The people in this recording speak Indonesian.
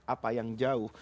apa yang jauh